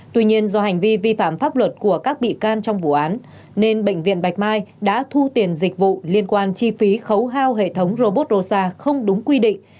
tuy nhiên do hành vi vi phạm pháp luật của các bị can trong vụ án nên bệnh viện bạch mai đã thu tiền dịch vụ liên quan chi phí khấu hao hệ thống robot không đúng quy định